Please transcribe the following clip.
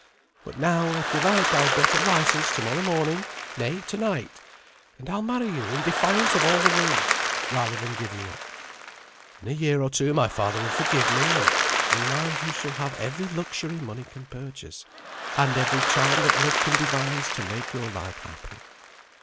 "But now, if you like, I'll get a licence to morrow morning nay, to night, and I'll marry you in defiance of all the world, rather than give you up. In a year or two my father will forgive me, and meanwhile you shall have every luxury money can purchase, and every charm that love can devise to make your life happy.